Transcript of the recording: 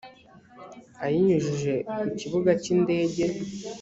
ayinyujije ku kibuga cy indege